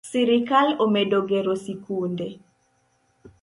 Sirikal omedo gero sikunde.